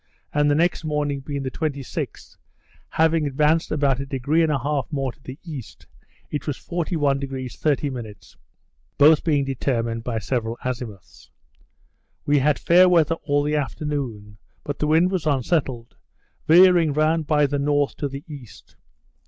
and the next morning, being the 26th, having advanced about a degree and a half more to the east, it was 41° 30', both being determined by several azimuths. We had fair weather all the afternoon, but the wind was unsettled, veering round by the north to the east.